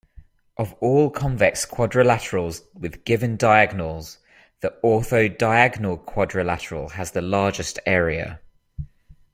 Of all convex quadrilaterals with given diagonals, the orthodiagonal quadrilateral has the largest area.